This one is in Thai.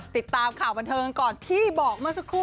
ติดตามข่าวบันเทิงก่อนที่บอกเมื่อสักครู่